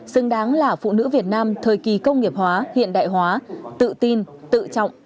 xứng đáng là phụ nữ việt nam thời kỳ công nghiệp hóa hiện đại hóa tự tin tự trọng